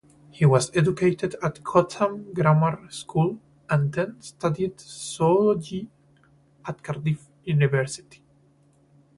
He was educated at Cotham Grammar School and then studied zoology at Cardiff University.